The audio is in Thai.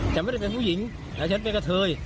ฉันไม่ได้เป็นผู้หญิงแต่ฉันเป็นกะเทย